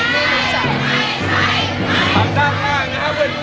ไม่ใช้